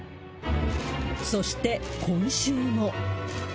そして、今週も。